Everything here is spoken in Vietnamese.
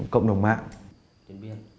cộng đồng mạng